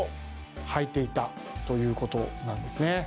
履いていたということなんですね。